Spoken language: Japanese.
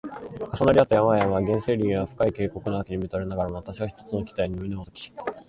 重なり合った山々や原生林や深い渓谷の秋に見とれながらも、わたしは一つの期待に胸をとき